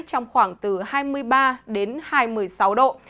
trong khoảng từ hai mươi ba đến hai mươi sáu độ